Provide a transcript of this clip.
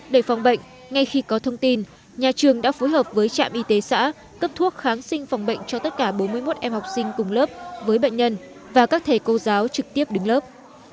để phòng bệnh ngay khi có thông tin nhà trường đã phối hợp với trạm y tế xã cấp thuốc kháng sinh phòng bệnh cho tất cả bốn mươi một em học sinh cùng lớp với bệnh nhân và các thầy cô giáo trực tiếp đứng lớp